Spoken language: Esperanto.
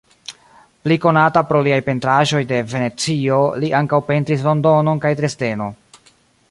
Pli konata pro liaj pentraĵoj de Venecio, li ankaŭ pentris Londonon kaj Dresdeno.